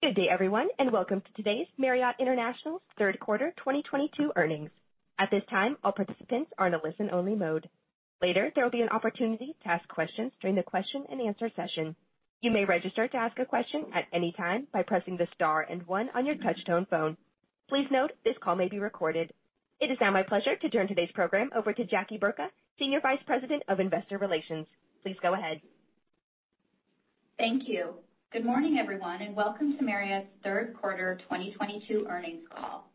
Good day, everyone, and welcome to today's Marriott International Third Quarter 2022 Earnings. At this time, all participants are in a listen only mode. Later, there will be an opportunity to ask questions during the question-and-answer session. You may register to ask a question at any time by pressing the star and one on your touchtone phone. Please note this call may be recorded. It is now my pleasure to turn today's program over to Jackie Burka McConagha, Senior Vice President of Investor Relations. Please go ahead. Thank you. Good morning, everyone, and welcome to Marriott's Third Quarter 2022 Earnings Call.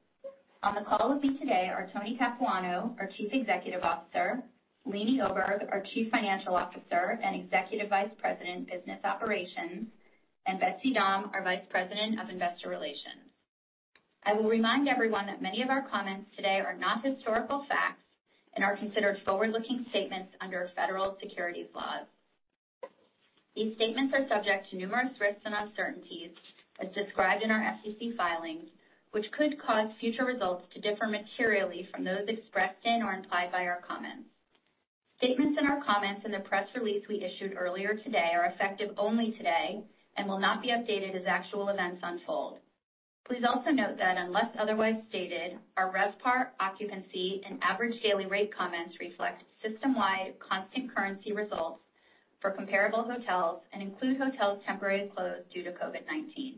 On the call with me today are Anthony Capuano, our Chief Executive Officer, Leeny Oberg, our Chief Financial Officer and Executive Vice President, Business Operations, and Betsy Dahm, our Vice President of Investor Relations. I will remind everyone that many of our comments today are not historical facts and are considered forward-looking statements under federal securities laws. These statements are subject to numerous risks and uncertainties as described in our SEC filings, which could cause future results to differ materially from those expressed in or implied by our comments. Statements in our comments in the press release we issued earlier today are effective only today and will not be updated as actual events unfold. Please also note that unless otherwise stated, our RevPAR occupancy and average daily rate comments reflect system-wide constant currency results for comparable hotels and include hotels temporarily closed due to COVID-19.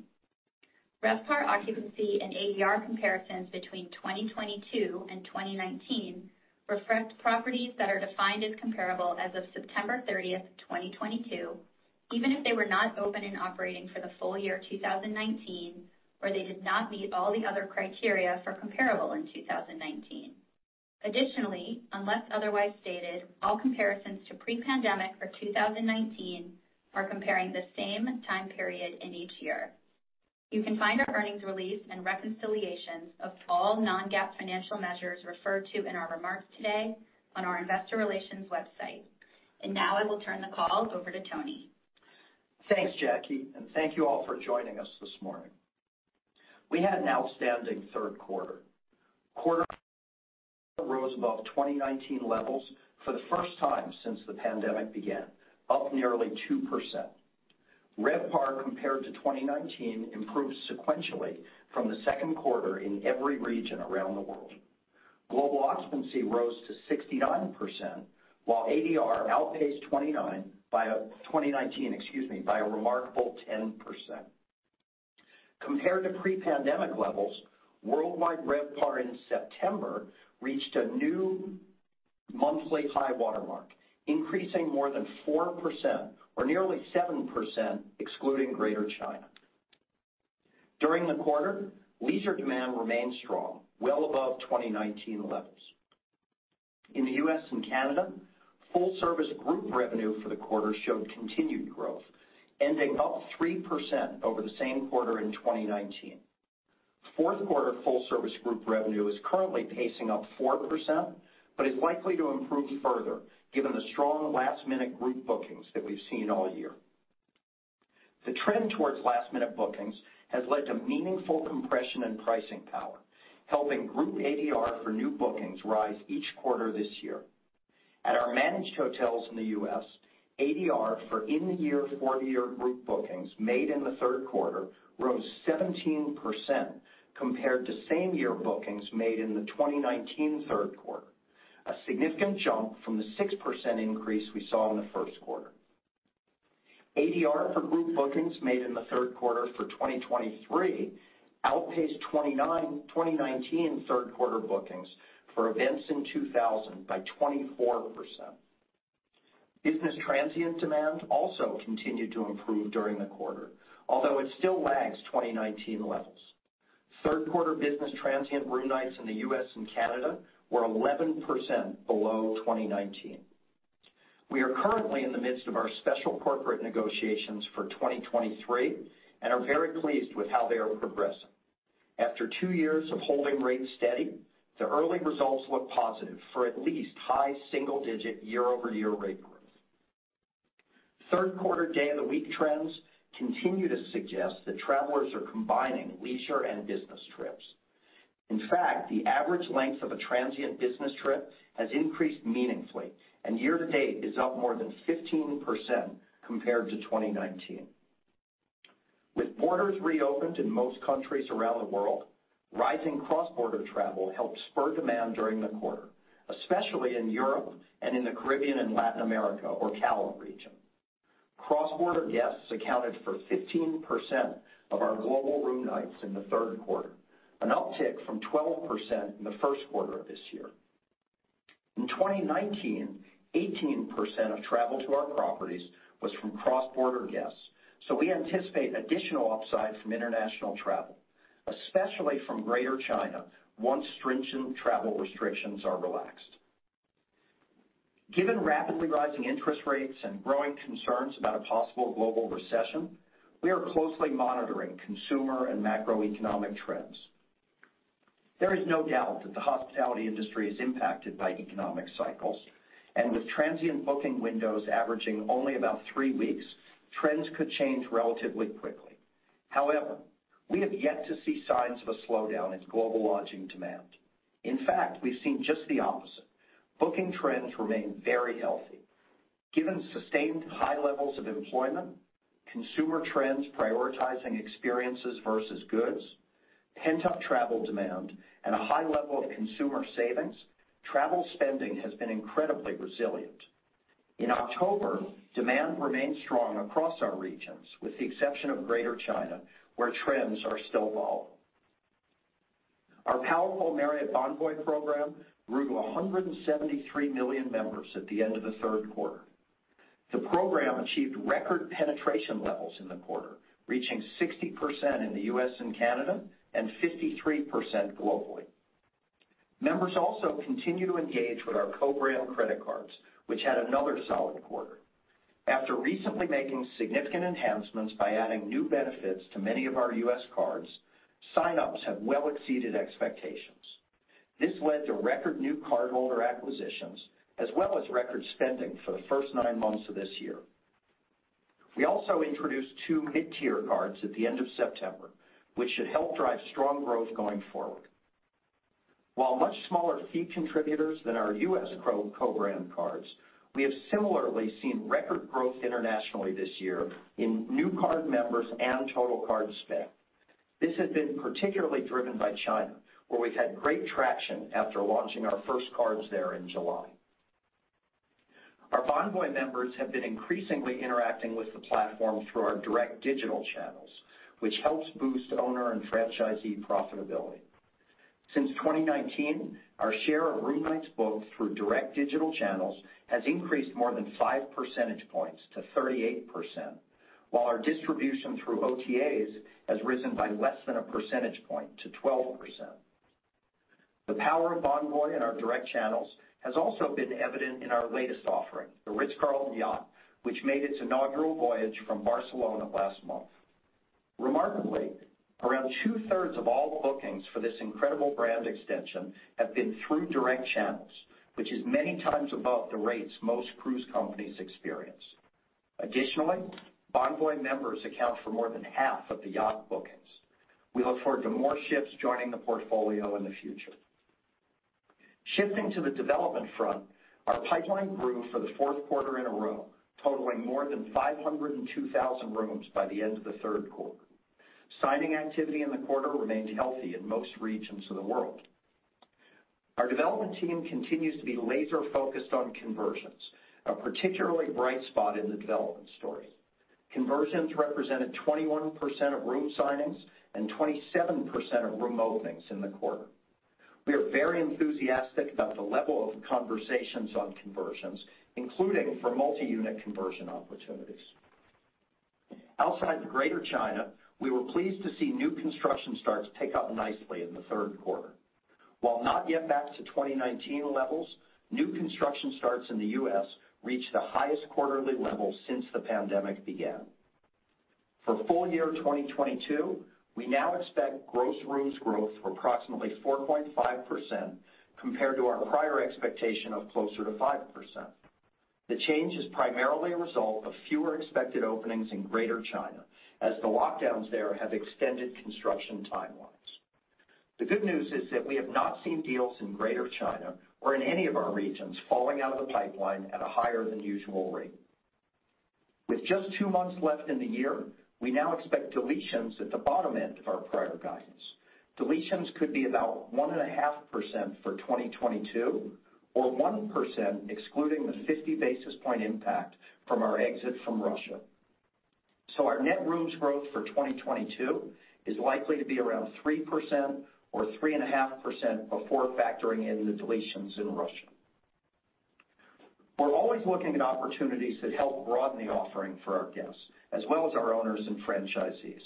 RevPAR occupancy and ADR comparisons between 2022 and 2019 reflect properties that are defined as comparable as of September 30, 2022, even if they were not open and operating for the full year 2019 or they did not meet all the other criteria for comparable in 2019. Additionally, unless otherwise stated, all comparisons to pre-pandemic for 2019 are comparing the same time period in each year. You can find our earnings release and reconciliations of all non-GAAP financial measures referred to in our remarks today on our investor relations website. Now I will turn the call over to Tony. Thanks, Jackie, and thank you all for joining us this morning. We had an outstanding third quarter. RevPAR rose above 2019 levels for the first time since the pandemic began, up nearly 2%. RevPAR compared to 2019 improved sequentially from the second quarter in every region around the world. Global occupancy rose to 69%, while ADR outpaced 2019 by a remarkable 10%. Compared to pre-pandemic levels, worldwide RevPAR in September reached a new monthly high watermark, increasing more than 4% or nearly 7% excluding Greater China. During the quarter, leisure demand remained strong, well above 2019 levels. In the U.S. and Canada, full service group revenue for the quarter showed continued growth, ending up 3% over the same quarter in 2019. Fourth quarter full-service group revenue is currently pacing up 4%, but is likely to improve further given the strong last-minute group bookings that we've seen all year. The trend towards last-minute bookings has led to meaningful compression and pricing power, helping group ADR for new bookings rise each quarter this year. At our managed hotels in the U.S., ADR for the year group bookings made in the third quarter rose 17% compared to same year bookings made in the 2019 third quarter, a significant jump from the 6% increase we saw in the first quarter. ADR for group bookings made in the third quarter for 2023 outpaced 2019 third quarter bookings for events in 2024 by 24%. Business transient demand also continued to improve during the quarter, although it still lags 2019 levels. Third quarter business transient room nights in the US and Canada were 11% below 2019. We are currently in the midst of our special corporate negotiations for 2023 and are very pleased with how they are progressing. After 2 years of holding rates steady, the early results look positive for at least high single-digit year-over-year rate growth. Third quarter day of the week trends continue to suggest that travelers are combining leisure and business trips. In fact, the average length of a transient business trip has increased meaningfully, and year-to-date is up more than 15% compared to 2019. With borders reopened in most countries around the world, rising cross-border travel helped spur demand during the quarter, especially in Europe and in the Caribbean and Latin America, or CALA region. Cross-border guests accounted for 15% of our global room nights in the third quarter, an uptick from 12% in the first quarter of this year. In 2019, 18% of travel to our properties was from cross-border guests, so we anticipate additional upside from international travel, especially from Greater China once stringent travel restrictions are relaxed. Given rapidly rising interest rates and growing concerns about a possible global recession, we are closely monitoring consumer and macroeconomic trends. There is no doubt that the hospitality industry is impacted by economic cycles, and with transient booking windows averaging only about 3 weeks, trends could change relatively quickly. However, we have yet to see signs of a slowdown in global lodging demand. In fact, we've seen just the opposite. Booking trends remain very healthy. Given sustained high levels of employment, consumer trends prioritizing experiences versus goods, pent-up travel demand, and a high level of consumer savings, travel spending has been incredibly resilient. In October, demand remained strong across our regions, with the exception of Greater China, where trends are still volatile. Our powerful Marriott Bonvoy program grew to 173 million members at the end of the third quarter. The program achieved record penetration levels in the quarter, reaching 60% in the U.S. and Canada and 53% globally. Members also continue to engage with our co-brand credit cards, which had another solid quarter. After recently making significant enhancements by adding new benefits to many of our U.S. cards, sign-ups have well exceeded expectations. This led to record new cardholder acquisitions as well as record spending for the first nine months of this year. We also introduced two mid-tier cards at the end of September, which should help drive strong growth going forward. While much smaller fee contributors than our U.S. co-brand cards, we have similarly seen record growth internationally this year in new card members and total card spend. This has been particularly driven by China, where we've had great traction after launching our first cards there in July. Our Bonvoy members have been increasingly interacting with the platform through our direct digital channels, which helps boost owner and franchisee profitability. Since 2019, our share of room nights booked through direct digital channels has increased more than 5 percentage points to 38%, while our distribution through OTAs has risen by less than a percentage point to 12%. The power of Bonvoy in our direct channels has also been evident in our latest offering, The Ritz-Carlton Yacht Collection, which made its inaugural voyage from Barcelona last month. Remarkably, around two-thirds of all bookings for this incredible brand extension have been through direct channels, which is many times above the rates most cruise companies experience. Additionally, Bonvoy members account for more than half of the yacht bookings. We look forward to more ships joining the portfolio in the future. Shifting to the development front, our pipeline grew for the fourth quarter in a row, totaling more than 502,000 rooms by the end of the third quarter. Signing activity in the quarter remained healthy in most regions of the world. Our development team continues to be laser-focused on conversions, a particularly bright spot in the development story. Conversions represented 21% of room signings and 27% of room openings in the quarter. We are very enthusiastic about the level of conversations on conversions, including for multi-unit conversion opportunities. Outside of Greater China, we were pleased to see new construction starts pick up nicely in the third quarter. While not yet back to 2019 levels, new construction starts in the U.S. reached the highest quarterly level since the pandemic began. For full year 2022, we now expect gross rooms growth of approximately 4.5% compared to our prior expectation of closer to 5%. The change is primarily a result of fewer expected openings in Greater China as the lockdowns there have extended construction timelines. The good news is that we have not seen deals in Greater China or in any of our regions falling out of the pipeline at a higher than usual rate. With just two months left in the year, we now expect deletions at the bottom end of our prior guidance. Deletions could be about 1.5% for 2022 or 1% excluding the 50 basis point impact from our exit from Russia. Our net rooms growth for 2022 is likely to be around 3% or 3.5% before factoring in the deletions in Russia. We're always looking at opportunities that help broaden the offering for our guests as well as our owners and franchisees.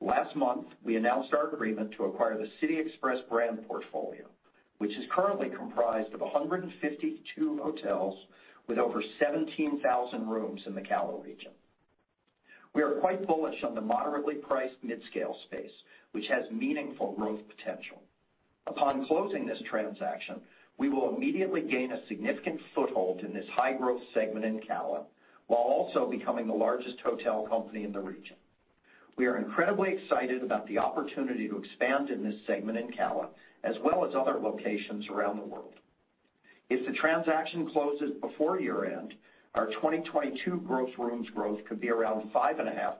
Last month, we announced our agreement to acquire the City Express brand portfolio, which is currently comprised of 152 hotels with over 17,000 rooms in the CALA region. We are quite bullish on the moderately priced midscale space, which has meaningful growth potential. Upon closing this transaction, we will immediately gain a significant foothold in this high-growth segment in CALA while also becoming the largest hotel company in the region. We are incredibly excited about the opportunity to expand in this segment in CALA as well as other locations around the world. If the transaction closes before year-end, our 2022 gross rooms growth could be around 5.5%,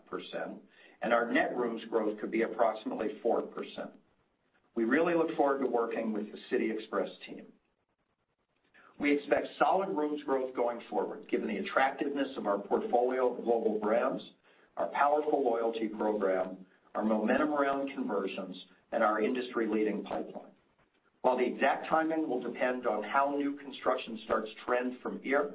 and our net rooms growth could be approximately 4%. We really look forward to working with the City Express team. We expect solid rooms growth going forward, given the attractiveness of our portfolio of global brands, our powerful loyalty program, our momentum around conversions, and our industry-leading pipeline. While the exact timing will depend on how new construction starts trend from here,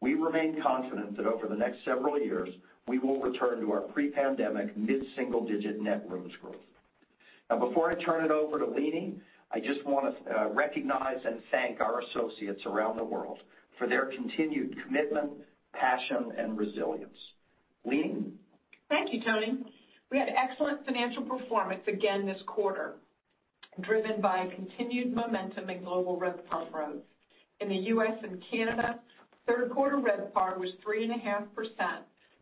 we remain confident that over the next several years, we will return to our pre-pandemic mid-single-digit net rooms growth. Now, before I turn it over to Leeny, I just wanna recognize and thank our associates around the world for their continued commitment, passion, and resilience. Leeny? Thank you, Tony. We had excellent financial performance again this quarter. Driven by continued momentum in global RevPAR growth. In the US and Canada, third quarter RevPAR was 3.5%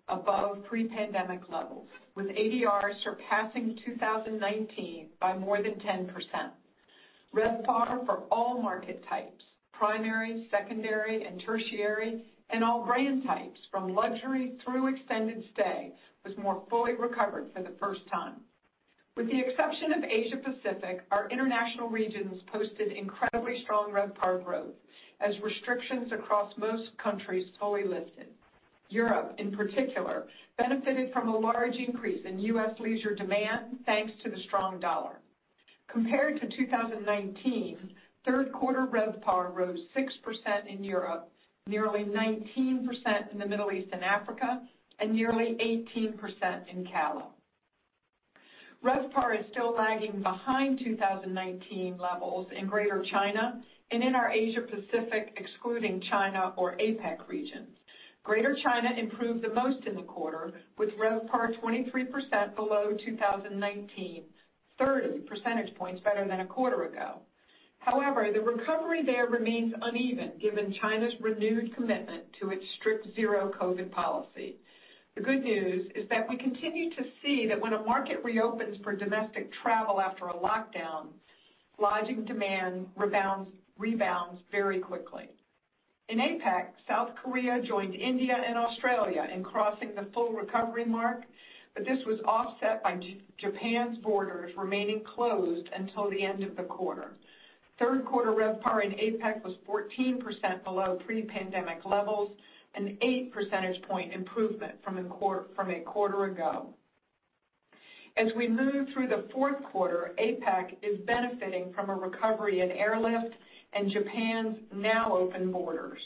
above pre-pandemic levels, with ADRs surpassing 2019 by more than 10%. RevPAR for all market types, primary, secondary, and tertiary, and all brand types from luxury through extended stay was more fully recovered for the first time. With the exception of Asia Pacific, our international regions posted incredibly strong RevPAR growth as restrictions across most countries totally lifted. Europe, in particular, benefited from a large increase in US leisure demand thanks to the strong dollar. Compared to 2019, third quarter RevPAR rose 6% in Europe, nearly 19% in the Middle East and Africa, and nearly 18% in CALA. RevPAR is still lagging behind 2019 levels in Greater China and in our Asia Pacific, excluding China or APAC regions. Greater China improved the most in the quarter, with RevPAR 23% below 2019, 30 percentage points better than a quarter ago. However, the recovery there remains uneven given China's renewed commitment to its strict zero COVID policy. The good news is that we continue to see that when a market reopens for domestic travel after a lockdown, lodging demand rebounds very quickly. In APAC, South Korea joined India and Australia in crossing the full recovery mark, but this was offset by Japan's borders remaining closed until the end of the quarter. Third quarter RevPAR in APAC was 14% below pre-pandemic levels, an 8 percentage point improvement from a quarter ago. As we move through the fourth quarter, APAC is benefiting from a recovery in airlift and Japan's now open borders.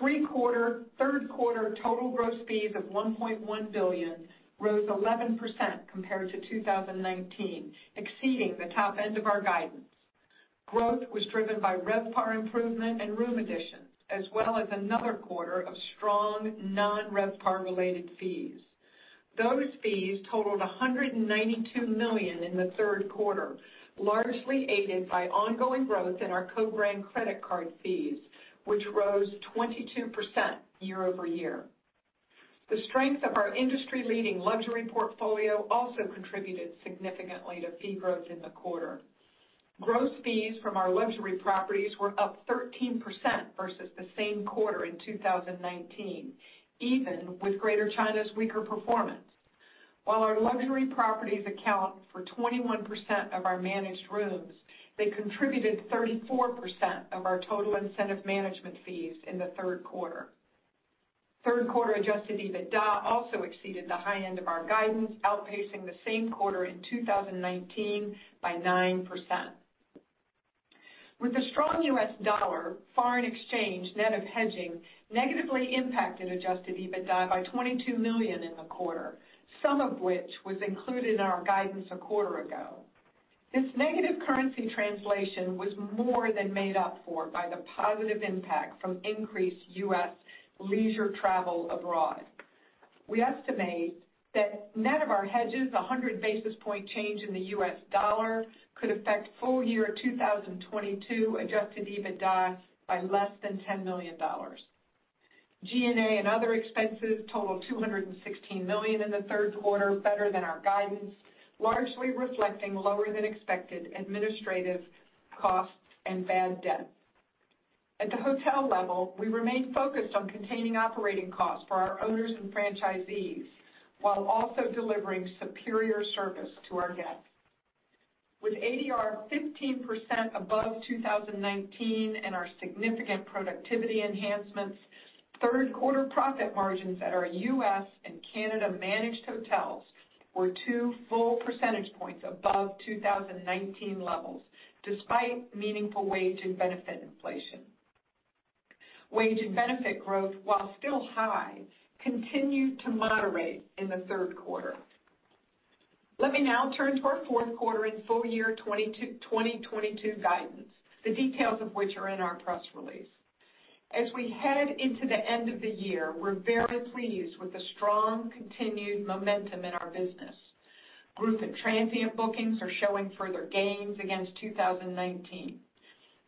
Third quarter total gross fees of $1.1 billion rose 11% compared to 2019, exceeding the top end of our guidance. Growth was driven by RevPAR improvement and room additions, as well as another quarter of strong non-RevPAR related fees. Those fees totaled $192 million in the third quarter, largely aided by ongoing growth in our co-brand credit card fees, which rose 22% year-over-year. The strength of our industry-leading luxury portfolio also contributed significantly to fee growth in the quarter. Gross fees from our luxury properties were up 13% versus the same quarter in 2019, even with Greater China's weaker performance. While our luxury properties account for 21% of our managed rooms, they contributed 34% of our total incentive management fees in the third quarter. Third quarter Adjusted EBITDA also exceeded the high end of our guidance, outpacing the same quarter in 2019 by 9%. With the strong US dollar, foreign exchange net of hedging negatively impacted Adjusted EBITDA by $22 million in the quarter, some of which was included in our guidance a quarter ago. This negative currency translation was more than made up for by the positive impact from increased US leisure travel abroad. We estimate that net of our hedges, a 100 basis point change in the US dollar could affect full year 2022 Adjusted EBITDA by less than $10 million. G&A and other expenses totaled $216 million in the third quarter, better than our guidance, largely reflecting lower than expected administrative costs and bad debt. At the hotel level, we remain focused on containing operating costs for our owners and franchisees while also delivering superior service to our guests. With ADR 15% above 2019 and our significant productivity enhancements, third quarter profit margins at our U.S. and Canada managed hotels were two full percentage points above 2019 levels, despite meaningful wage and benefit inflation. Wage and benefit growth, while still high, continued to moderate in the third quarter. Let me now turn to our fourth quarter and full year 2022 guidance, the details of which are in our press release. As we head into the end of the year, we're very pleased with the strong continued momentum in our business. Group and transient bookings are showing further gains against 2019.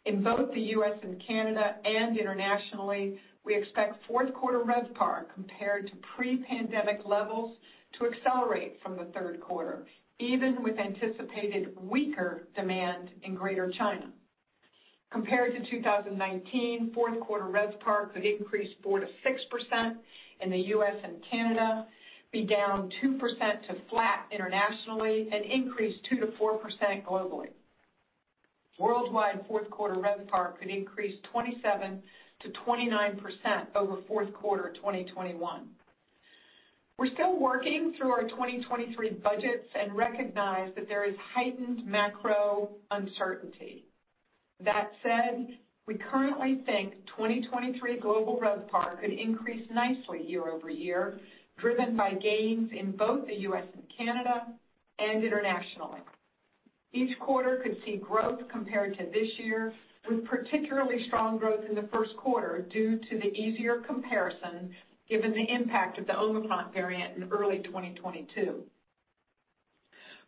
In both the U.S. and Canada and internationally, we expect fourth quarter RevPAR compared to pre-pandemic levels to accelerate from the third quarter, even with anticipated weaker demand in Greater China. Compared to 2019, fourth quarter RevPAR could increase 4%-6% in the U.S. and Canada, be down 2% to flat internationally, and increase 2%-4% globally. Worldwide fourth quarter RevPAR could increase 27%-29% over fourth quarter 2021. We're still working through our 2023 budgets and recognize that there is heightened macro uncertainty. That said, we currently think 2023 global RevPAR could increase nicely year-over-year, driven by gains in both the U.S. and Canada and internationally. Each quarter could see growth compared to this year, with particularly strong growth in the first quarter due to the easier comparison given the impact of the Omicron variant in early 2022.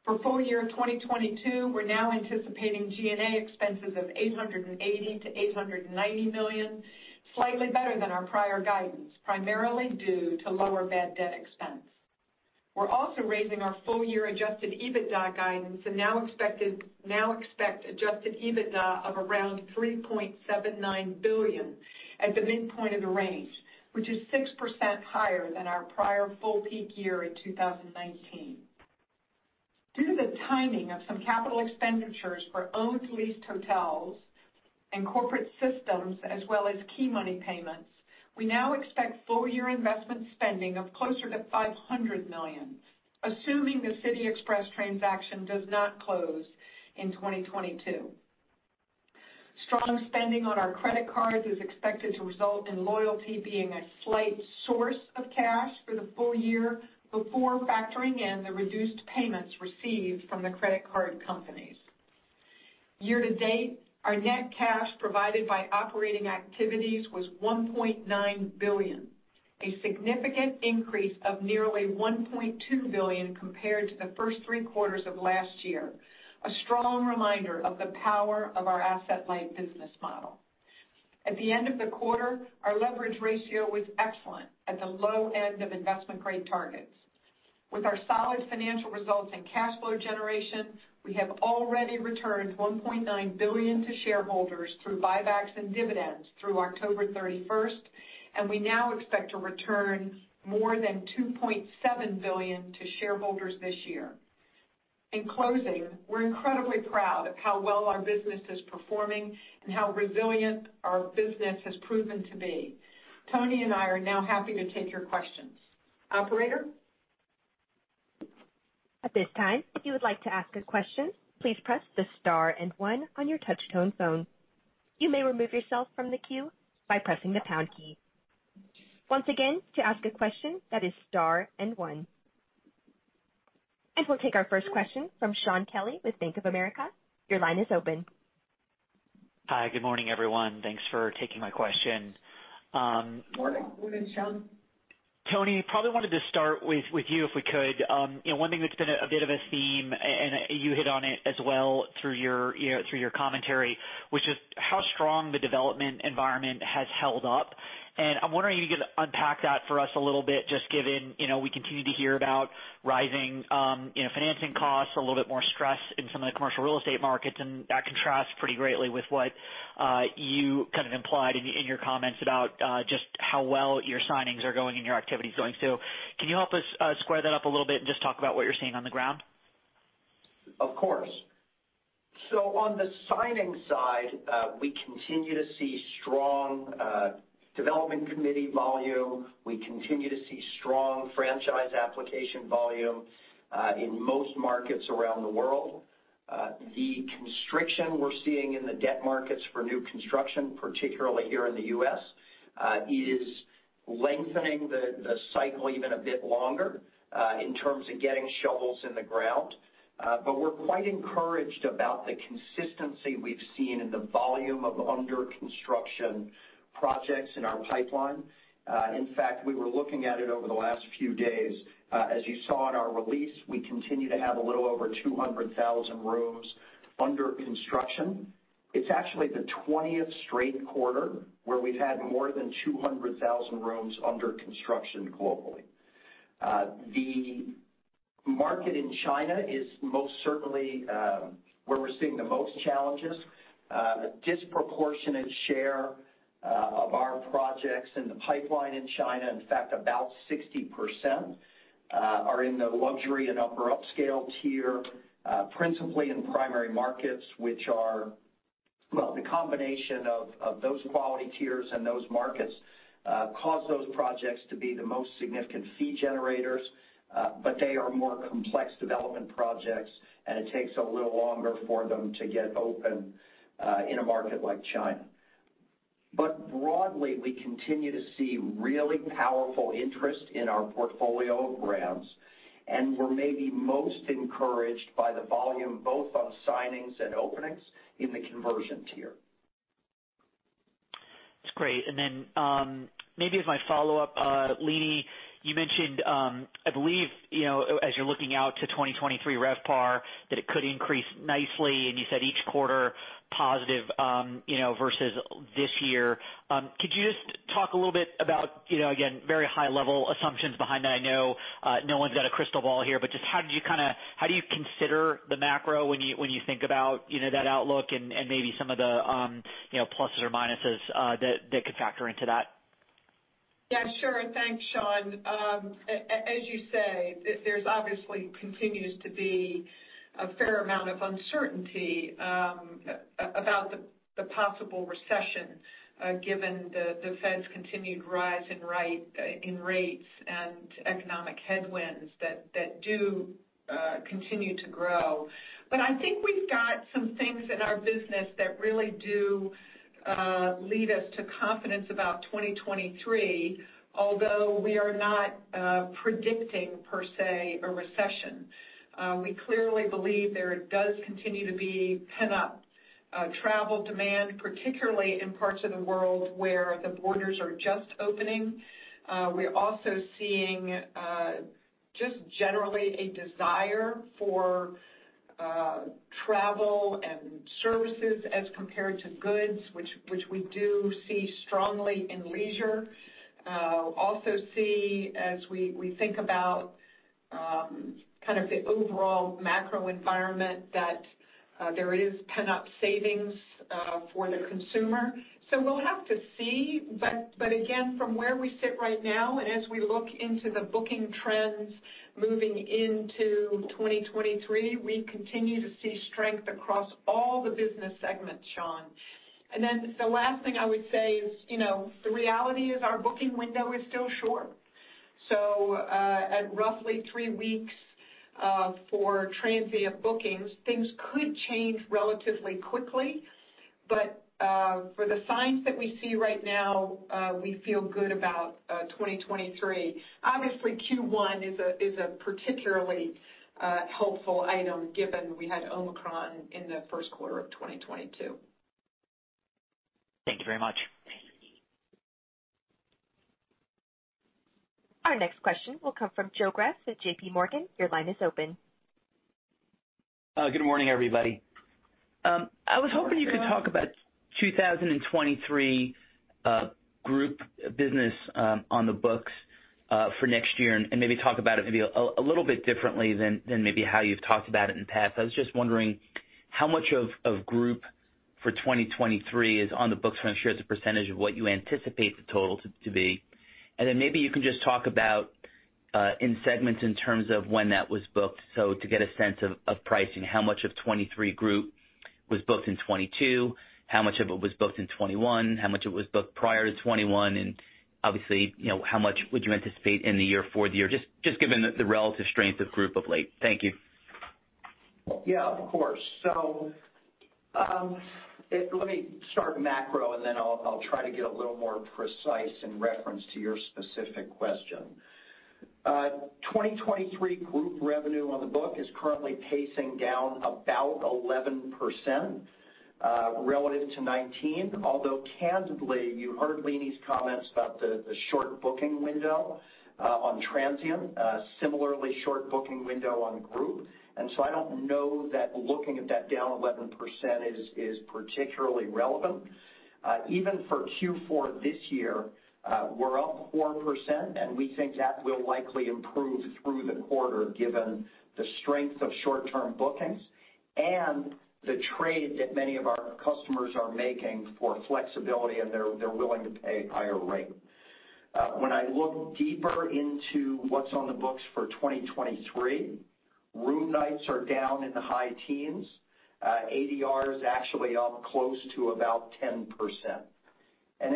For full year 2022, we're now anticipating G&A expenses of $880 million-$890 million, slightly better than our prior guidance, primarily due to lower bad debt expense. We're also raising our full year Adjusted EBITDA guidance and now expect Adjusted EBITDA of around $3.79 billion at the midpoint of the range, which is 6% higher than our prior full peak year in 2019. Due to the timing of some capital expenditures for owned leased hotels and corporate systems as well as key money payments, we now expect full year investment spending of closer to $500 million, assuming the City Express transaction does not close in 2022. Strong spending on our credit cards is expected to result in loyalty being a slight source of cash for the full year before factoring in the reduced payments received from the credit card companies. Year to date, our net cash provided by operating activities was $1.9 billion, a significant increase of nearly $1.2 billion compared to the first three quarters of last year, a strong reminder of the power of our asset-light business model. At the end of the quarter, our leverage ratio was excellent at the low end of investment grade targets. With our solid financial results and cash flow generation, we have already returned $1.9 billion to shareholders through buybacks and dividends through October thirty-first, and we now expect to return more than $2.7 billion to shareholders this year. In closing, we're incredibly proud of how well our business is performing and how resilient our business has proven to be. Tony and I are now happy to take your questions. Operator? At this time, if you would like to ask a question, please press the star and one on your touchtone phone. You may remove yourself from the queue by pressing the pound key. Once again, to ask a question, that is star and one. We'll take our first question from Shaun Kelley with Bank of America. Your line is open. Hi, good morning, everyone. Thanks for taking my question. Morning. Morning, Shaun. Tony, probably wanted to start with you if we could. You know, one thing that's been a bit of a theme and you hit on it as well through your commentary, which is how strong the development environment has held up. I'm wondering if you could unpack that for us a little bit just given you know, we continue to hear about rising financing costs, a little bit more stress in some of the commercial real estate markets, and that contrasts pretty greatly with what you kind of implied in your comments about just how well your signings are going and your activity is going. Can you help us square that up a little bit and just talk about what you're seeing on the ground? Of course. On the signing side, we continue to see strong development committee volume. We continue to see strong franchise application volume in most markets around the world. The constriction we're seeing in the debt markets for new construction, particularly here in the U.S., is lengthening the cycle even a bit longer in terms of getting shovels in the ground. We're quite encouraged about the consistency we've seen in the volume of under construction projects in our pipeline. In fact, we were looking at it over the last few days. As you saw in our release, we continue to have a little over 200,000 rooms under construction. It's actually the 20th straight quarter where we've had more than 200,000 rooms under construction globally. The market in China is most certainly where we're seeing the most challenges. Disproportionate share of our projects in the pipeline in China, in fact, about 60%, are in the luxury and upper upscale tier, principally in primary markets, the combination of those quality tiers and those markets cause those projects to be the most significant fee generators, but they are more complex development projects, and it takes a little longer for them to get open in a market like China. Broadly, we continue to see really powerful interest in our portfolio of brands, and we're maybe most encouraged by the volume both on signings and openings in the conversion tier. That's great. Maybe as my follow-up, Leeny, you mentioned, I believe, you know, as you're looking out to 2023 RevPAR that it could increase nicely, and you said each quarter positive, you know, versus this year. Could you just talk a little bit about, you know, again, very high level assumptions behind that? I know, no one's got a crystal ball here, but just how did you How do you consider the macro when you think about, you know, that outlook and maybe some of the, you know, pluses or minuses, that could factor into that? Yeah, sure. Thanks, Shaun. As you say, there continues to be a fair amount of uncertainty about the possible recession, given the Fed's continued rise in rates and economic headwinds that do continue to grow. I think we've got some things in our business that really do lead us to confidence about 2023, although we are not predicting per se a recession. We clearly believe there does continue to be pent-up travel demand, particularly in parts of the world where the borders are just opening. We're also seeing just generally a desire for travel and services as compared to goods which we do see strongly in leisure. Also, as we think about kind of the overall macro environment that there is pent-up savings for the consumer. We'll have to see. But again, from where we sit right now, and as we look into the booking trends moving into 2023, we continue to see strength across all the business segments, Shaun. The last thing I would say is, you know, the reality is our booking window is still short. At roughly three weeks for transient bookings, things could change relatively quickly. For the signs that we see right now, we feel good about 2023. Obviously, Q1 is a particularly helpful item given we had Omicron in the first quarter of 2022. Thank you very much. Thank you. Our next question will come from Joe Greff with J.P. Morgan. Your line is open. Good morning, everybody. I was hoping you could talk about 2023 group business on the books for next year, and maybe talk about it a little bit differently than maybe how you've talked about it in the past. I was just wondering how much of group for 2023 is on the books. I'm sure it's a percentage of what you anticipate the total to be. Maybe you can just talk about in segments in terms of when that was booked, so to get a sense of pricing, how much of 2023 group was booked in 2022, how much of it was booked in 2021, how much it was booked prior to 2021, and obviously, you know, how much would you anticipate in the year for the year, just given the relative strength of group of late. Thank you. Yeah, of course. Let me start macro, and then I'll try to get a little more precise in reference to your specific question. 2023 group revenue on the book is currently pacing down about 11%, relative to 2019. Although candidly, you heard Leeny's comments about the short booking window on transient, similarly short booking window on group. I don't know that looking at that down 11% is particularly relevant. Even for Q4 this year, we're up 4%, and we think that will likely improve through the quarter given the strength of short-term bookings and the trade that many of our customers are making for flexibility, and they're willing to pay a higher rate. When I look deeper into what's on the books for 2023, room nights are down in the high teens. ADR is actually up close to about 10%.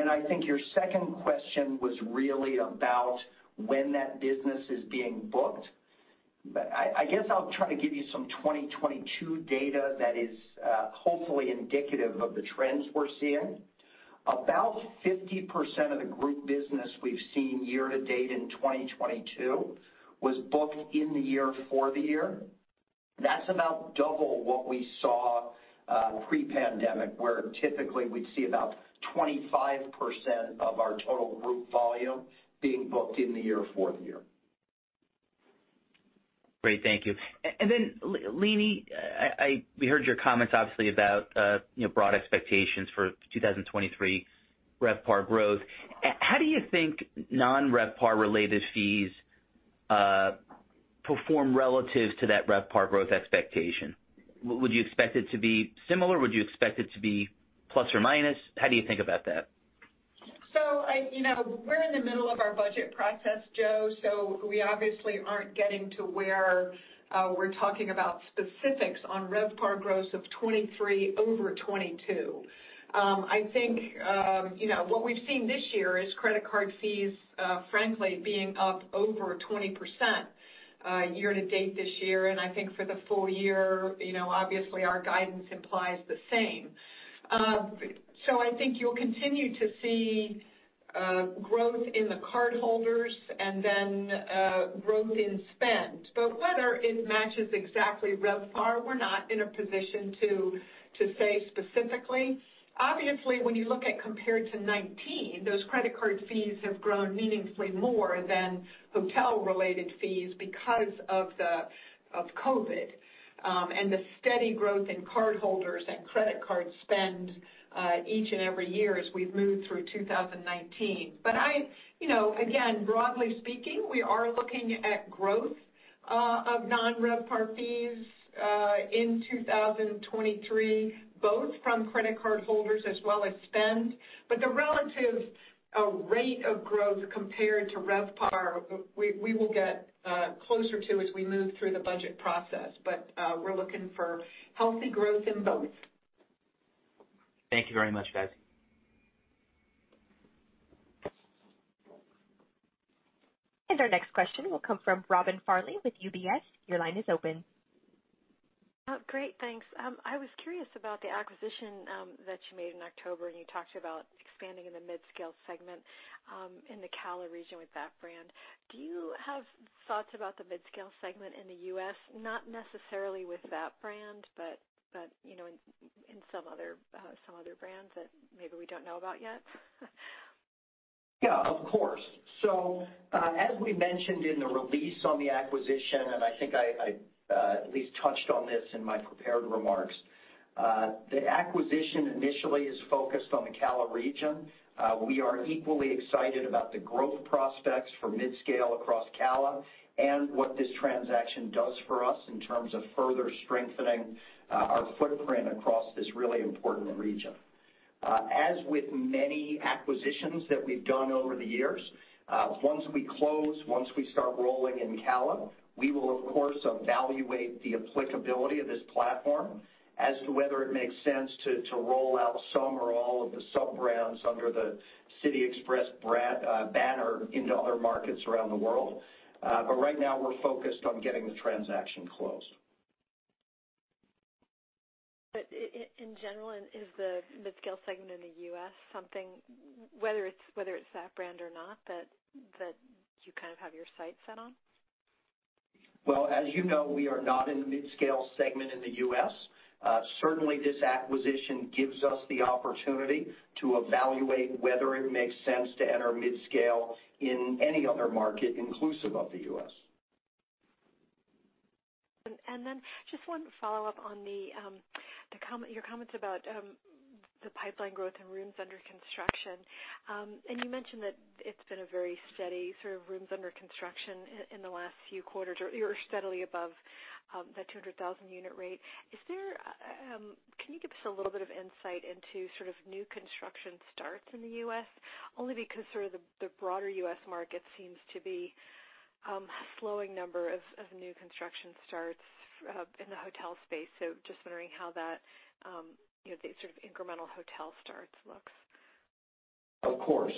I think your second question was really about when that business is being booked. I guess I'll try to give you some 2022 data that is hopefully indicative of the trends we're seeing. About 50% of the group business we've seen year to date in 2022 was booked in the year for the year. That's about double what we saw pre-pandemic, where typically we'd see about 25% of our total group volume being booked in the year for the year. Great. Thank you. Leeny, we heard your comments obviously about broad expectations for 2023 RevPAR growth. How do you think non-RevPAR related fees perform relative to that RevPAR growth expectation? Would you expect it to be similar? Would you expect it to be plus or minus? How do you think about that? You know, we're in the middle of our budget process, Joe, so we obviously aren't getting to where we're talking about specifics on RevPAR growth of 2023 over 2022. I think you know, what we've seen this year is credit card fees frankly, being up over 20% year to date this year. I think for the full year, you know, obviously our guidance implies the same. I think you'll continue to see growth in the cardholders and then growth in spend. Whether it matches exactly RevPAR, we're not in a position to say specifically. Obviously, when you look at compared to 2019, those credit card fees have grown meaningfully more than hotel related fees because of COVID, and the steady growth in cardholders and credit card spend each and every year as we've moved through 2019. I, you know, again, broadly speaking, we are looking at growth of non-RevPAR fees in 2023, both from credit card holders as well as spend. The relative rate of growth compared to RevPAR, we will get closer to as we move through the budget process. We're looking for healthy growth in both. Thank you very much, guys. Our next question will come from Robin Farley with UBS. Your line is open. Oh, great. Thanks. I was curious about the acquisition that you made in October. You talked about expanding in the mid-scale segment in the CALA region with that brand. Do you have thoughts about the mid-scale segment in the US, not necessarily with that brand, but you know, in some other brands that maybe we don't know about yet? Yeah, of course. As we mentioned in the release on the acquisition, and I think I at least touched on this in my prepared remarks, the acquisition initially is focused on the CALA region. We are equally excited about the growth prospects for midscale across CALA and what this transaction does for us in terms of further strengthening our footprint across this really important region. As with many acquisitions that we've done over the years, once we close, once we start rolling out in CALA, we will, of course, evaluate the applicability of this platform as to whether it makes sense to roll out some or all of the sub-brands under the City Express banner into other markets around the world. Right now we're focused on getting the transaction closed. In general, is the midscale segment in the U.S. something, whether it's that brand or not, that you kind of have your sights set on? Well, as you know, we are not in the midscale segment in the U.S. Certainly, this acquisition gives us the opportunity to evaluate whether it makes sense to enter midscale in any other market, inclusive of the U.S. Just one follow-up on your comments about the pipeline growth and rooms under construction. You mentioned that it's been a very steady sort of rooms under construction in the last few quarters, or you're steadily above that 200,000 unit rate. Can you give us a little bit of insight into sort of new construction starts in the U.S.? Only because sort of the broader U.S. market seems to be slowing number of new construction starts in the hotel space. Just wondering how that, you know, the sort of incremental hotel starts looks. Of course.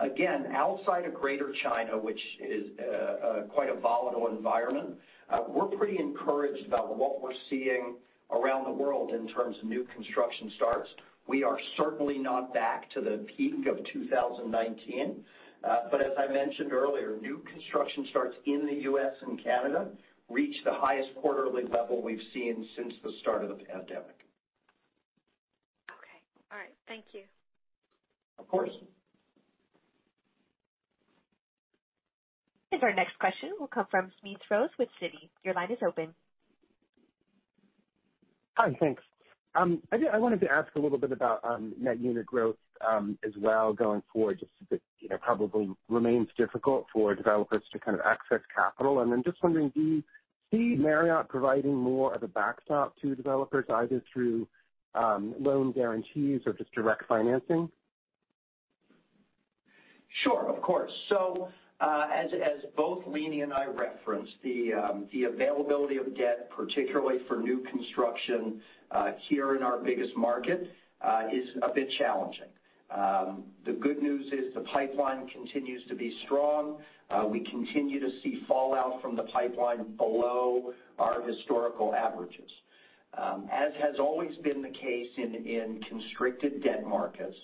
Again, outside of Greater China, which is quite a volatile environment, we're pretty encouraged about what we're seeing around the world in terms of new construction starts. We are certainly not back to the peak of 2019, but as I mentioned earlier, new construction starts in the U.S. and Canada reach the highest quarterly level we've seen since the start of the pandemic. Okay. All right. Thank you. Of course. Our next question will come from Smedes Rose with Citi. Your line is open. Hi. Thanks. I wanted to ask a little bit about net unit growth as well going forward, just because, you know, probably remains difficult for developers to kind of access capital. Just wondering, do you see Marriott providing more of a backstop to developers, either through loan guarantees or just direct financing? Sure, of course. So, as both Leeny and I referenced, the availability of debt, particularly for new construction, here in our biggest market, is a bit challenging. The good news is the pipeline continues to be strong. We continue to see fallout from the pipeline below our historical averages. As has always been the case in constricted debt markets,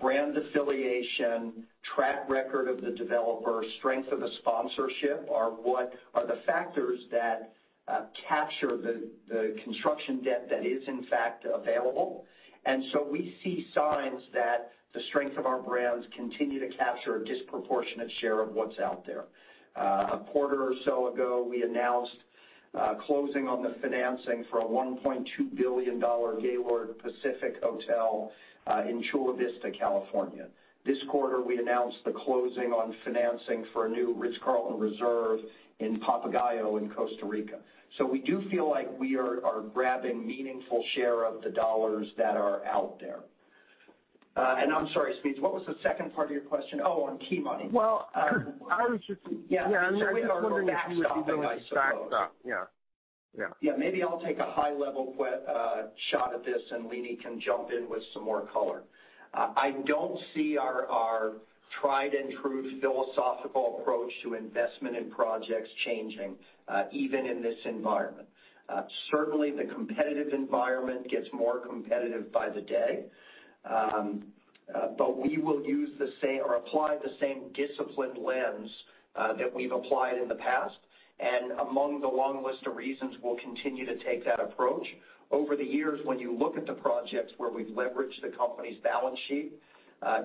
brand affiliation, track record of the developer, strength of the sponsorship are the factors that capture the construction debt that is in fact available. We see signs that the strength of our brands continue to capture a disproportionate share of what's out there. A quarter or so ago, we announced closing on the financing for a $1.2 billion Gaylord Pacific Resort & Convention Center in Chula Vista, California. This quarter, we announced the closing on financing for a new Ritz-Carlton Reserve in Papagayo in Costa Rica. We do feel like we are grabbing meaningful share of the dollars that are out there. I'm sorry, Smedes, what was the second part of your question? Oh, on key money. Well, I was just- Yeah. Yeah, I'm just wondering if you would be doing with the backstop. Yeah. Yeah. Yeah, maybe I'll take a high level shot at this, and Leeny can jump in with some more color. I don't see our tried and true philosophical approach to investment in projects changing, even in this environment. Certainly the competitive environment gets more competitive by the day, but we will use the same or apply the same disciplined lens that we've applied in the past. Among the long list of reasons, we'll continue to take that approach. Over the years, when you look at the projects where we've leveraged the company's balance sheet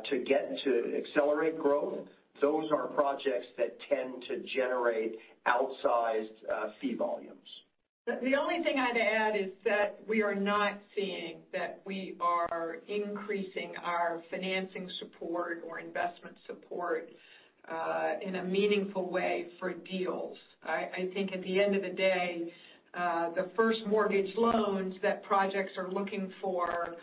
to get to accelerate growth, those are projects that tend to generate outsized fee volumes. The only thing I'd add is that we are not seeing that we are increasing our financing support or investment support in a meaningful way for deals. I think at the end of the day the first mortgage loans that projects are looking for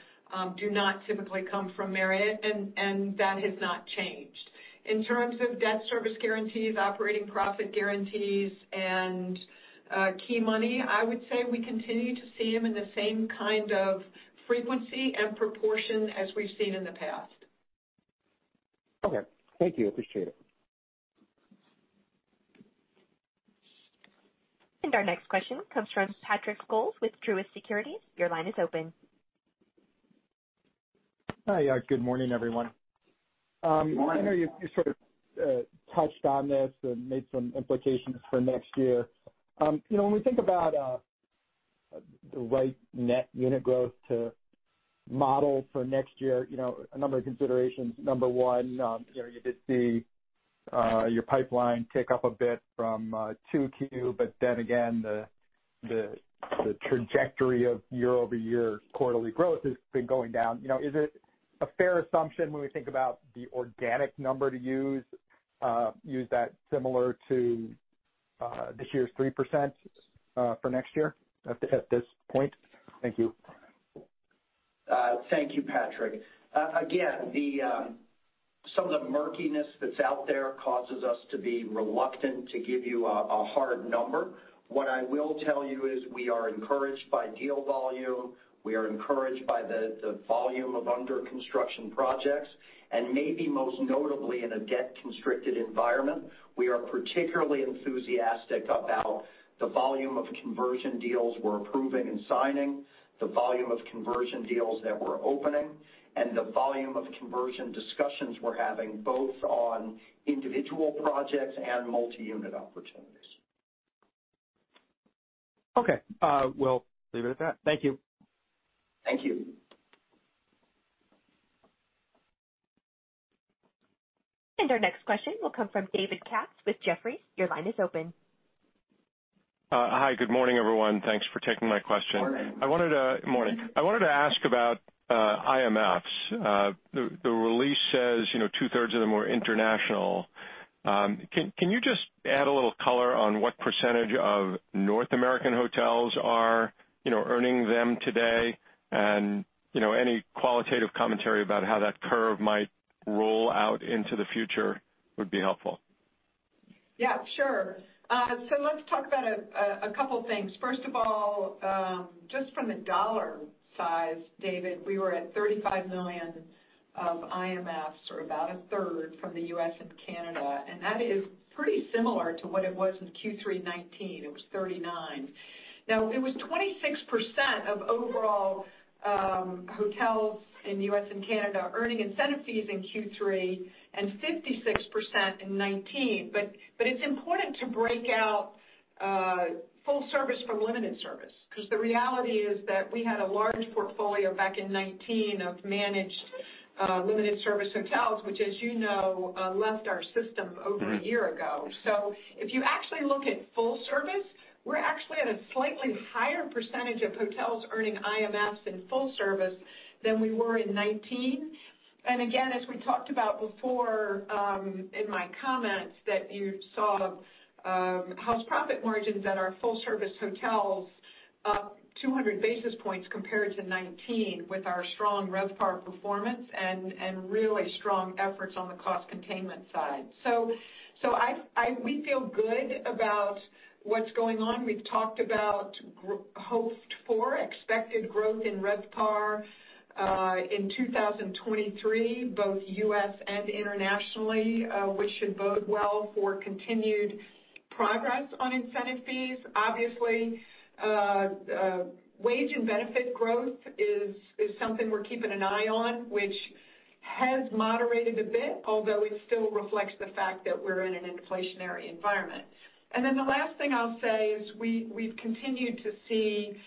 do not typically come from Marriott, and that has not changed. In terms of debt service guarantees, operating profit guarantees and key money, I would say we continue to see them in the same kind of frequency and proportion as we've seen in the past. Okay. Thank you. Appreciate it. Our next question comes from Patrick Scholes with Truist Securities. Your line is open. Hi. Good morning, everyone. Good morning. I know you sort of touched on this and made some implications for next year. You know, when we think about, The right net unit growth to model for next year, you know, a number of considerations. Number one, you know, you did see your pipeline tick up a bit from 2Q, but then again, the trajectory of year-over-year quarterly growth has been going down. You know, is it a fair assumption when we think about the organic number to use that similar to this year's 3%, for next year at this point? Thank you. Thank you, Patrick. Again, some of the murkiness that's out there causes us to be reluctant to give you a hard number. What I will tell you is we are encouraged by deal volume, we are encouraged by the volume of under construction projects, and maybe most notably in a debt-constricted environment, we are particularly enthusiastic about the volume of conversion deals we're approving and signing, the volume of conversion deals that we're opening, and the volume of conversion discussions we're having both on individual projects and multi-unit opportunities. Okay. We'll leave it at that. Thank you. Thank you. Our next question will come from David Katz with Jefferies. Your line is open. Hi. Good morning, everyone. Thanks for taking my question. Morning. Morning. I wanted to ask about IMFs. The release says, you know, two-thirds of them are international. Can you just add a little color on what percentage of North American hotels are, you know, earning them today? You know, any qualitative commentary about how that curve might roll out into the future would be helpful. Yeah, sure. Let's talk about a couple things. First of all, just from a dollar size, David, we were at $35 million of IMFs, or about a third from the U.S. and Canada, and that is pretty similar to what it was in Q3 2019. It was $39 million. Now, it was 26% of overall hotels in U.S. and Canada earning incentive fees in Q3, and 56% in 2019. But it's important to break out full service from limited service, 'cause the reality is that we had a large portfolio back in 2019 of managed limited service hotels, which as you know, left our system over a year ago. If you actually look at full service, we're actually at a slightly higher percentage of hotels earning IMFs in full service than we were in 2019. Again, as we talked about before, in my comments, that you saw, house profit margins at our full service hotels up 200 basis points compared to 2019 with our strong RevPAR performance and really strong efforts on the cost containment side. We feel good about what's going on. We've talked about hoped for expected growth in RevPAR in 2023, both U.S. and internationally, which should bode well for continued progress on incentive fees. Obviously, wage and benefit growth is something we're keeping an eye on, which has moderated a bit, although it still reflects the fact that we're in an inflationary environment. The last thing I'll say is we've continued to see improvement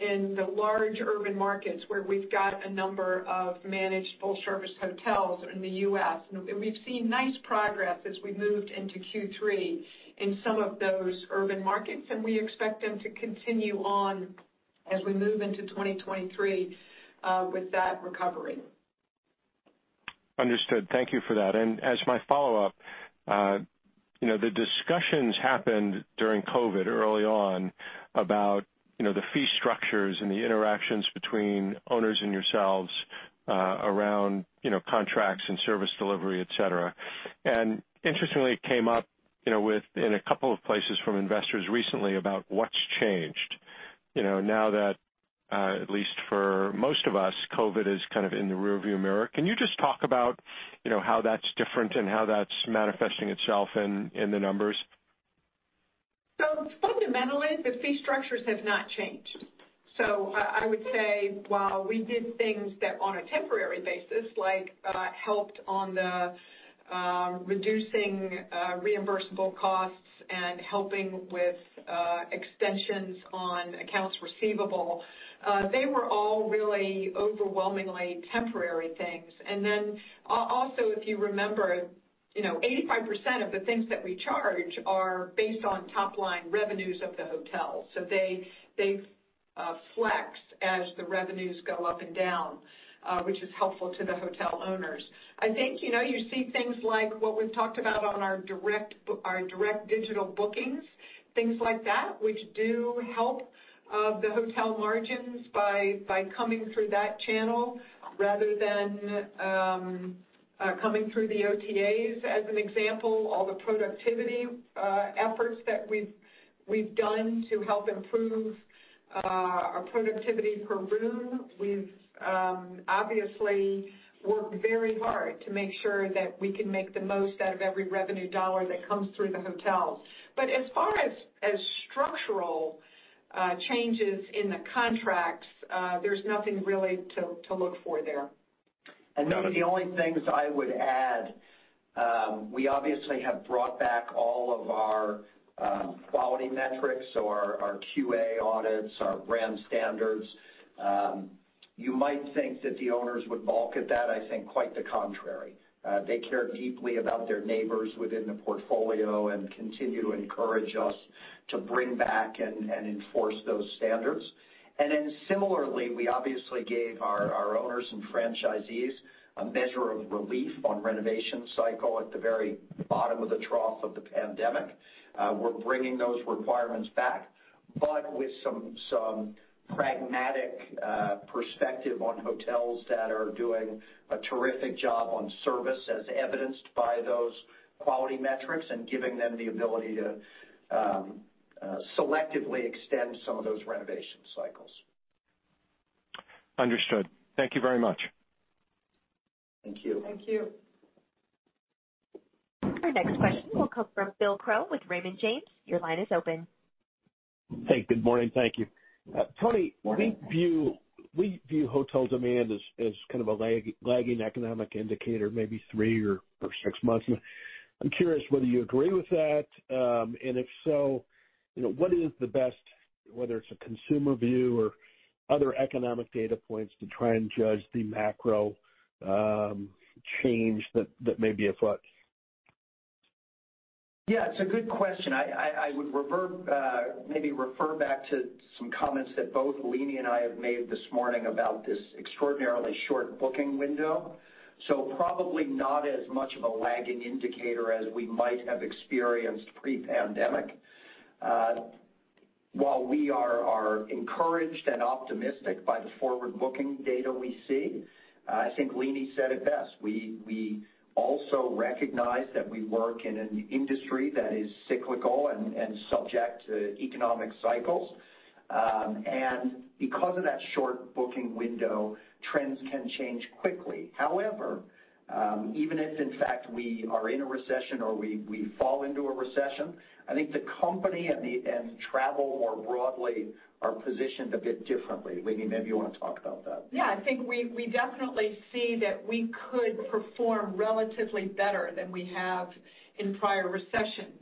in the large urban markets where we've got a number of managed full service hotels in the U.S. We've seen nice progress as we moved into Q3 in some of those urban markets, and we expect them to continue on as we move into 2023 with that recovery. Understood. Thank you for that. As my follow-up, you know, the discussions happened during COVID early on about, you know, the fee structures and the interactions between owners and yourselves, around, you know, contracts and service delivery, et cetera. Interestingly, it came up, you know, in a couple of places from investors recently about what's changed, you know, now that, at least for most of us, COVID is kind of in the rearview mirror. Can you just talk about, you know, how that's different and how that's manifesting itself in the numbers? Fundamentally, the fee structures have not changed. I would say while we did things that on a temporary basis, like, helped on the reducing reimbursable costs and helping with extensions on accounts receivable, they were all really overwhelmingly temporary things. Also, if you remember, you know, 85% of the things that we charge are based on top line revenues of the hotel. They flex as the revenues go up and down, which is helpful to the hotel owners. I think, you know, you see things like what we've talked about on our direct digital bookings, things like that, which do help the hotel margins by coming through that channel rather than coming through the OTAs, as an example. All the productivity efforts that we've done to help improve our productivity per room. We've obviously worked very hard to make sure that we can make the most out of every revenue dollar that comes through the hotels. As far as structural changes in the contracts, there's nothing really to look for there. Maybe the only things I would add, we obviously have brought back all of our quality metrics, so our QA audits, our brand standards. You might think that the owners would balk at that. I think quite the contrary. They care deeply about their neighbors within the portfolio and continue to encourage us to bring back and enforce those standards. Then similarly, we obviously gave our owners and franchisees a measure of relief on renovation cycle at the very bottom of the trough of the pandemic. We're bringing those requirements back, but with some pragmatic perspective on hotels that are doing a terrific job on service as evidenced by those quality metrics and giving them the ability to selectively extend some of those renovation cycles. Understood. Thank you very much. Thank you. Thank you. Our next question will come from Bill Crow with Raymond James. Your line is open. Hey, good morning. Thank you. Tony- Morning We view hotel demand as kind of a lagging economic indicator, maybe 3 or 6 months. I'm curious whether you agree with that, and if so, you know, what is the best, whether it's a consumer view or other economic data points to try and judge the macro change that may be afoot? Yeah, it's a good question. I would maybe refer back to some comments that both Leeny and I have made this morning about this extraordinarily short booking window. Probably not as much of a lagging indicator as we might have experienced pre-pandemic. While we are encouraged and optimistic by the forward-looking data we see, I think Leeny said it best. We also recognize that we work in an industry that is cyclical and subject to economic cycles. Because of that short booking window, trends can change quickly. However, even if in fact we are in a recession or we fall into a recession, I think the company and travel more broadly are positioned a bit differently. Leeny, maybe you want to talk about that. Yeah. I think we definitely see that we could perform relatively better than we have in prior recessions.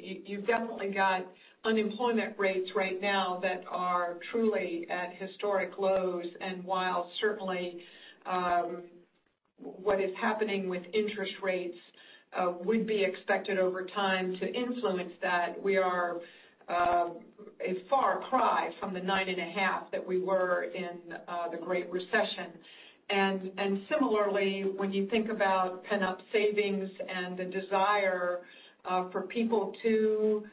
You've definitely got unemployment rates right now that are truly at historic lows. While certainly what is happening with interest rates would be expected over time to influence that, we are a far cry from the 9.5% that we were in the Great Recession. Similarly, when you think about pent-up savings and the desire for people to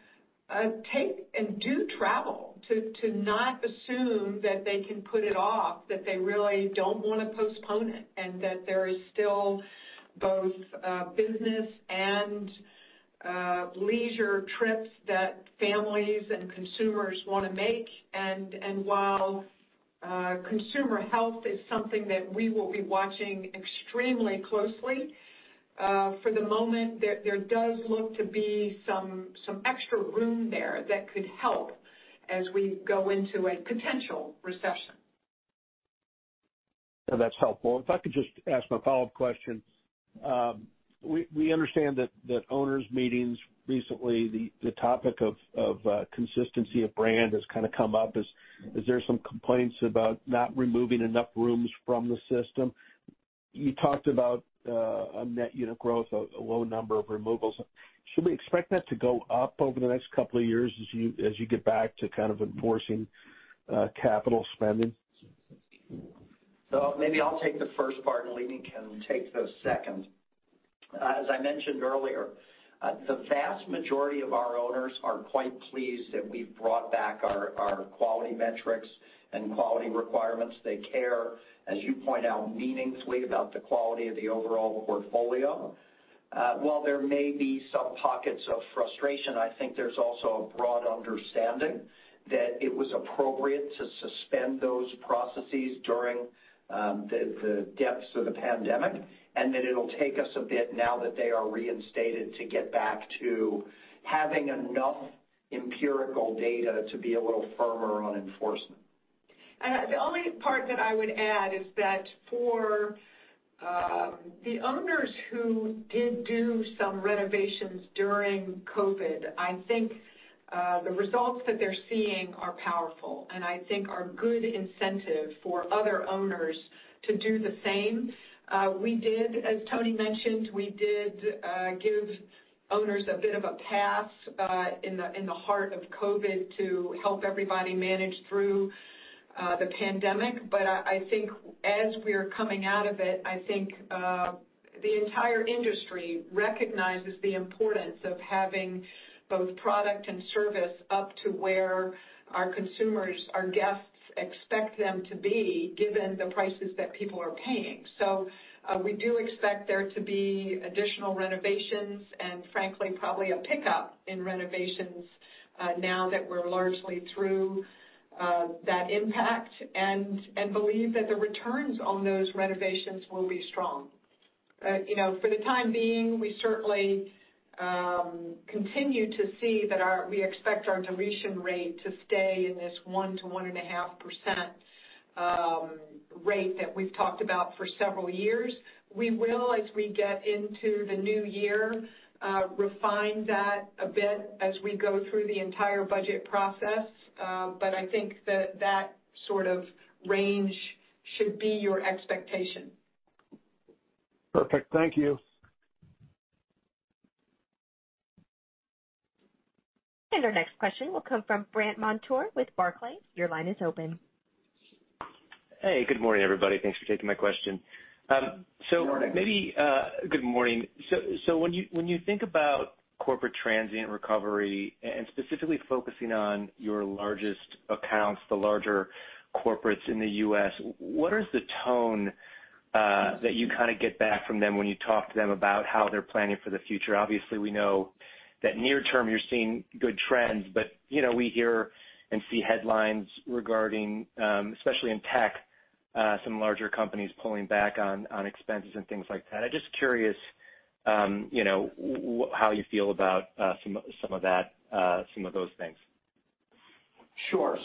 take and do travel, to not assume that they can put it off, that they really don't wanna postpone it, and that there is still both business and leisure trips that families and consumers wanna make. While consumer health is something that we will be watching extremely closely, for the moment, there does look to be some extra room there that could help as we go into a potential recession. That's helpful. If I could just ask a follow-up question. We understand that owners' meetings recently, the topic of consistency of brand has kind of come up. Is there some complaints about not removing enough rooms from the system? You talked about a net unit growth, a low number of removals. Should we expect that to go up over the next couple of years as you get back to kind of enforcing capital spending? Maybe I'll take the first part and Leeny can take the second. As I mentioned earlier, the vast majority of our owners are quite pleased that we've brought back our quality metrics and quality requirements. They care, as you point out, meaningfully about the quality of the overall portfolio. While there may be some pockets of frustration, I think there's also a broad understanding that it was appropriate to suspend those processes during the depths of the pandemic, and that it'll take us a bit now that they are reinstated to get back to having enough empirical data to be a little firmer on enforcement. The only part that I would add is that for the owners who did do some renovations during COVID, I think the results that they're seeing are powerful and I think are good incentive for other owners to do the same. We did, as Tony mentioned, give owners a bit of a pass in the heart of COVID to help everybody manage through the pandemic. I think as we're coming out of it, I think the entire industry recognizes the importance of having both product and service up to where our consumers, our guests expect them to be, given the prices that people are paying. We do expect there to be additional renovations and frankly, probably a pickup in renovations, now that we're largely through that impact and believe that the returns on those renovations will be strong. You know, for the time being, we certainly continue to see that we expect our deletion rate to stay in this 1%-1.5% rate that we've talked about for several years. We will, as we get into the new year, refine that a bit as we go through the entire budget process. I think that sort of range should be your expectation. Perfect. Thank you. Our next question will come from Brandt Montour with Barclays. Your line is open. Hey, good morning, everybody. Thanks for taking my question. Maybe. Good morning. Good morning. When you think about corporate transient recovery and specifically focusing on your largest accounts, the larger corporates in the U.S., what is the tone that you kind of get back from them when you talk to them about how they're planning for the future? Obviously, we know that near term you're seeing good trends, but, you know, we hear and see headlines regarding, especially in tech, some larger companies pulling back on expenses and things like that. I'm just curious, you know, how you feel about some of that, some of those things. Sure.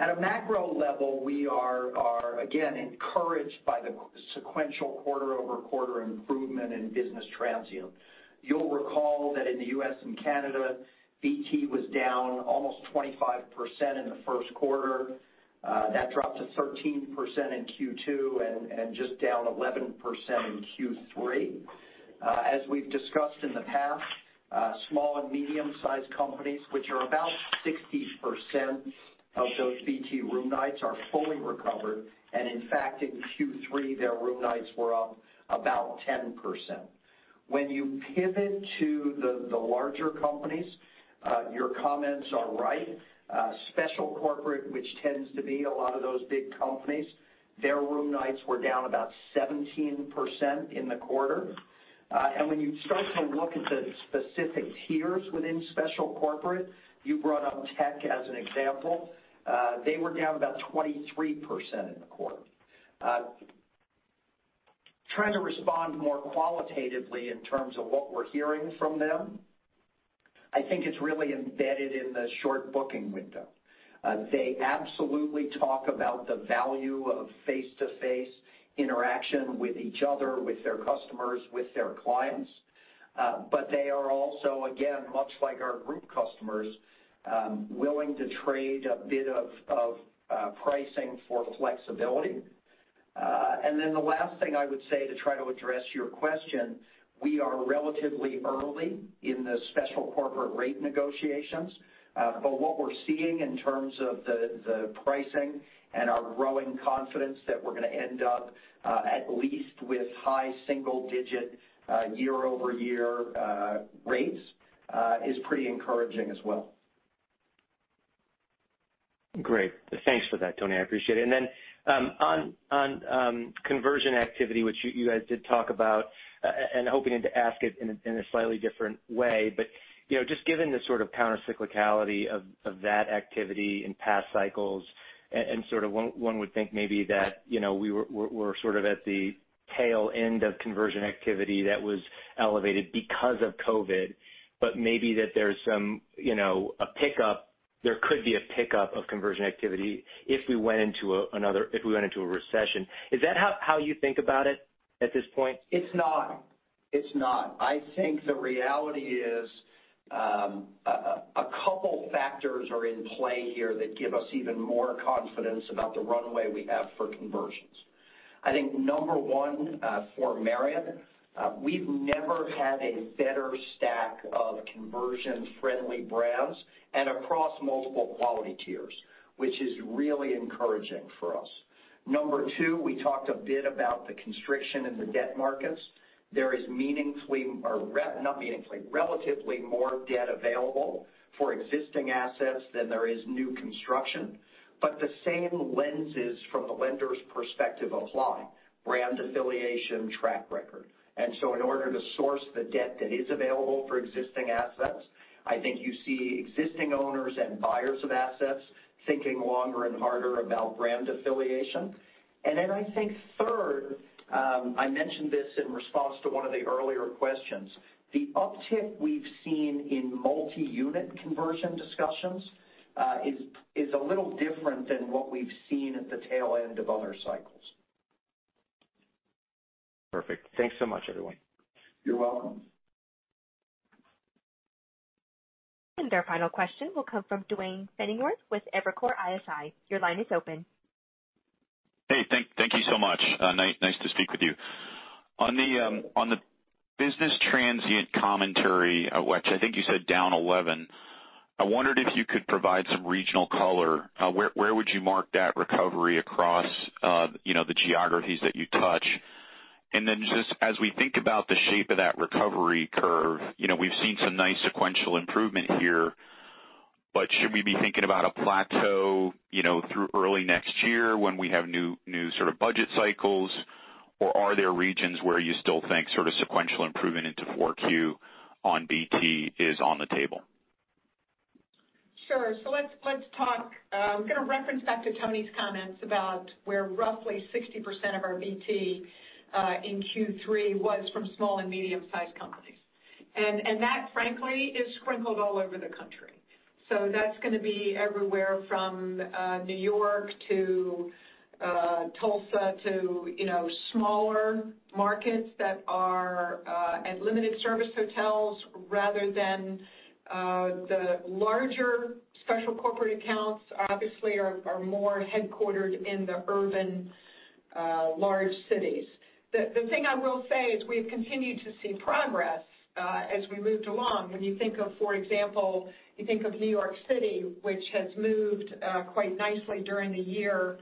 At a macro level, we are again encouraged by the sequential quarter-over-quarter improvement in business transient. You'll recall that in the U.S. and Canada, BT was down almost 25% in the first quarter. That dropped to 13% in Q2 and just down 11% in Q3. As we've discussed in the past, small and medium-sized companies, which are about 60% of those BT room nights are fully recovered. In fact, in Q3, their room nights were up about 10%. When you pivot to the larger companies, your comments are right. Special corporate, which tends to be a lot of those big companies, their room nights were down about 17% in the quarter. When you start to look at the specific tiers within special corporate, you brought up tech as an example, they were down about 23% in the quarter. Trying to respond more qualitatively in terms of what we're hearing from them, I think it's really embedded in the short booking window. They absolutely talk about the value of face-to-face interaction with each other, with their customers, with their clients. They are also, again, much like our group customers, willing to trade a bit of pricing for flexibility. Then the last thing I would say to try to address your question, we are relatively early in the special corporate rate negotiations. What we're seeing in terms of the pricing and our growing confidence that we're going to end up at least with high single-digit year-over-year rates is pretty encouraging as well. Great. Thanks for that, Tony. I appreciate it. On conversion activity, which you guys did talk about, and hoping to ask it in a slightly different way, but you know, just given the sort of countercyclicality of that activity in past cycles and sort of one would think maybe that you know, we're sort of at the tail end of conversion activity that was elevated because of COVID, but maybe that there's some you know, a pickup of conversion activity if we went into a recession. Is that how you think about it at this point? It's not. I think the reality is, a couple factors are in play here that give us even more confidence about the runway we have for conversions. I think number one, for Marriott, we've never had a better stack of conversion-friendly brands and across multiple quality tiers, which is really encouraging for us. Number two, we talked a bit about the constriction in the debt markets. There is not meaningfully, relatively more debt available for existing assets than there is new construction. The same lenses from the lender's perspective apply, brand affiliation, track record. In order to source the debt that is available for existing assets, I think you see existing owners and buyers of assets thinking longer and harder about brand affiliation. I think third, I mentioned this in response to one of the earlier questions. The uptick we've seen in multi-unit conversion discussions is a little different than what we've seen at the tail end of other cycles. Perfect. Thanks so much, everyone. You're welcome. Our final question will come from Duane Pfennigwerth with Evercore ISI. Your line is open. Hey, thank you so much. Nice to speak with you. On the business transient commentary, which I think you said down 11%, I wondered if you could provide some regional color. Where would you mark that recovery across, you know, the geographies that you touch? Just as we think about the shape of that recovery curve, you know, we've seen some nice sequential improvement here, but should we be thinking about a plateau, you know, through early next year when we have new sort of budget cycles, or are there regions where you still think sort of sequential improvement into 4Q on BT is on the table? Sure. Let's talk. We're gonna reference back to Tony's comments about where roughly 60% of our BT in Q3 was from small and medium-sized companies. That, frankly, is sprinkled all over the country. That's gonna be everywhere from New York to Tulsa to, you know, smaller markets that are at limited-service hotels rather than the larger special corporate accounts obviously are more headquartered in the urban large cities. The thing I will say is we've continued to see progress as we moved along. When you think of, for example, you think of New York City, which has moved quite nicely during the year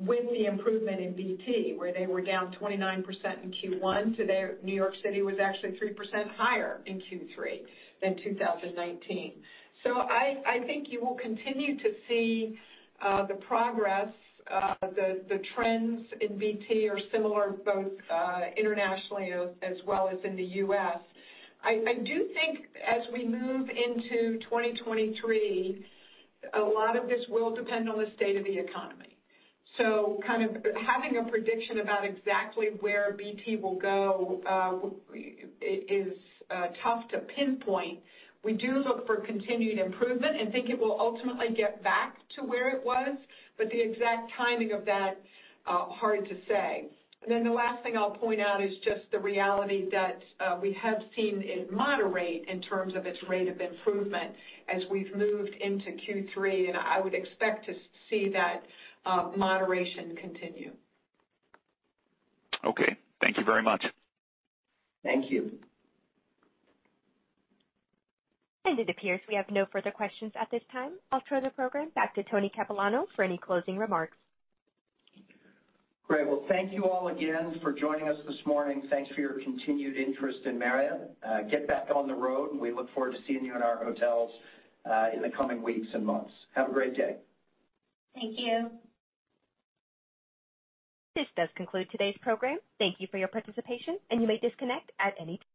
with the improvement in BT, where they were down 29% in Q1. Today New York City was actually 3% higher in Q3 than 2019. I think you will continue to see the progress. The trends in BT are similar both internationally as well as in the US. I do think as we move into 2023, a lot of this will depend on the state of the economy. Kind of having a prediction about exactly where BT will go is tough to pinpoint. We do look for continued improvement and think it will ultimately get back to where it was, but the exact timing of that, hard to say. The last thing I'll point out is just the reality that we have seen it moderate in terms of its rate of improvement as we've moved into Q3, and I would expect to see that moderation continue. Okay. Thank you very much. Thank you. It appears we have no further questions at this time. I'll throw the program back to Tony Capuano for any closing remarks. Great. Well, thank you all again for joining us this morning. Thanks for your continued interest in Marriott. Get back on the road, and we look forward to seeing you in our hotels in the coming weeks and months. Have a great day. Thank you. This does conclude today's program. Thank you for your participation, and you may disconnect at any time.